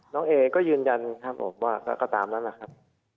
น้องเอลก็ยืนยันครับว่าก็ตามนั้นนะครับ